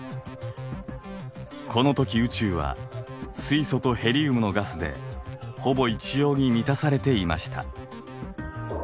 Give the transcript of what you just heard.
このとき宇宙は水素とヘリウムのガスでほぼ一様に満たされていました。